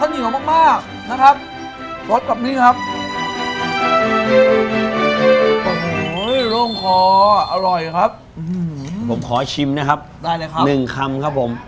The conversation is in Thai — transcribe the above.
นี่นะครับโอ้โหเห็นไหมเห็นไหม